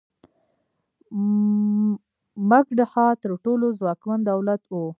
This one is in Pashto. مګدها تر ټولو ځواکمن دولت و.